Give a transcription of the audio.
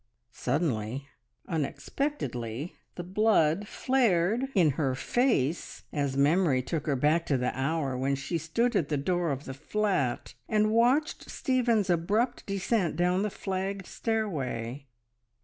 Suddenly, unexpectedly the blood flared in her face as memory took her back to the hour when she stood at the door of the flat and watched Stephen's abrupt descent down the flagged stairway.